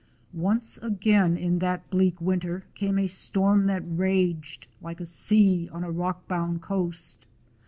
Once again in that bleak winter came a storm that raged like a sea on a rock bound coast.